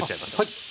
はい。